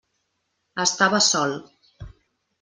Estava sol.